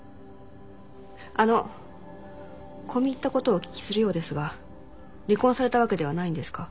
あの込み入った事をお聞きするようですが離婚されたわけではないんですか？